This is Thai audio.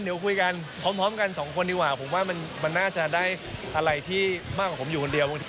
เดี๋ยวคุยกันพร้อมกันสองคนดีกว่าผมว่ามันน่าจะได้อะไรที่มากกว่าผมอยู่คนเดียว